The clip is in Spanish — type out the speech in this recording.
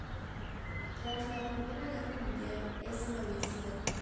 Tras la Primera Guerra Mundial, es ennoblecido.